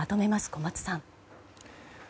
小松さん。